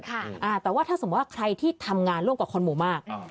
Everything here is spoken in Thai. แต่ว่าถ้าสมมุติว่าใครที่ทำงานร่วมกับคนหมู่มาก